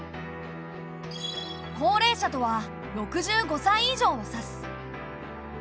高齢者とは６５歳以上を指す。